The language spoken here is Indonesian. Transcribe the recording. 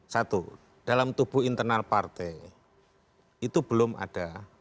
satu dalam tubuh internal partai itu belum ada upaya untuk memiliki